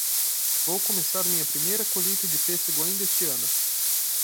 Vou começar minha primeira colheita de pêssego ainda este ano.